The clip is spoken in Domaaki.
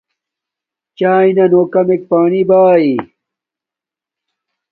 چاݵے نا کمک نو پانی باݵ